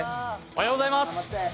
おはようございます。